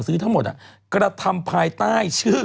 คุณหมอโดนกระช่าคุณหมอโดนกระช่า